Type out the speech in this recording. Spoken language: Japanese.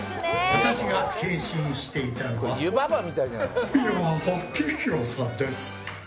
私が変身していたのは美輪明宏さんです。